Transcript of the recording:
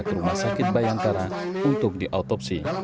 ke rumah sakit bayangkara untuk diautopsi